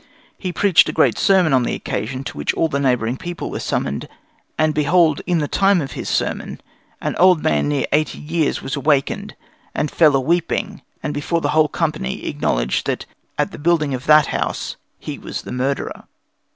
He preached a great sermon on the occasion, to which all the neighbouring people were summoned; and behold in the time of his sermon, an old man near eighty years was awakened, and fell a weeping, and before the whole company acknowledged that at the building of that house, he was the murderer."